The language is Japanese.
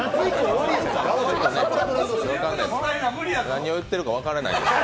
何を言ってるか分からない。